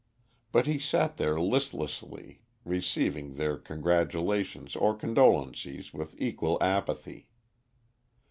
But he sat there listlessly, receiving their congratulations or condolences with equal apathy.